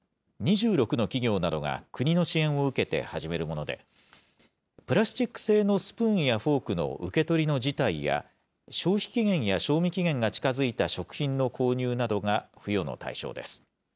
２６の企業などが、国の支援を受けて始めるもので、プラスチック製のスプーンやフォークの受け取りの辞退や、消費期限や賞味期限が近付いた食品の購入などが付与の対象です。